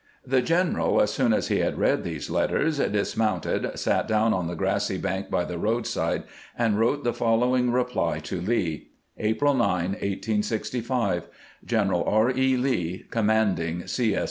The general, as soon as he had read these letters, dis mounted, sat down on the grassy bank by the roadside, and wrote the following reply to Lee : April 9, 1865. General R. E. Lee, Commanding C. S.